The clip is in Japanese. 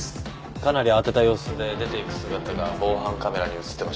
かなり慌てた様子で出て行く姿が防犯カメラに映ってました。